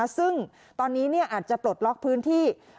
ซึ่งตอนนี้อาจจะปลดล็อกพื้นที่